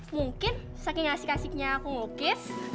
mungkin saking asik asiknya aku nge gukis